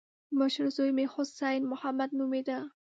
مشر زوی مې حسين محمد نومېده.